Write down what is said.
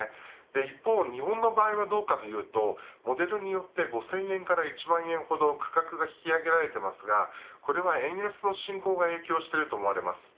一方、日本の場合はどうかというと、モデルによって５０００円から１万円ほど価格が引き上げられていますがこれは円安の進行が影響していると思われます。